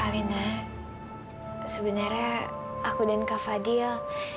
alena sebenarnya aku dan kak fadil